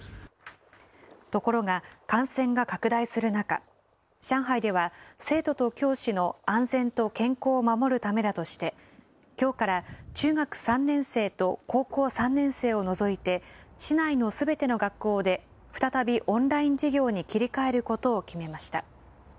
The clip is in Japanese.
ところが、感染が拡大する中、上海では生徒と教師の安全と健康を守るためだとして、きょうから中学３年生と高校３年生を除いて市内のすべての学校で再びオンライン授業に切り替えることを決めました。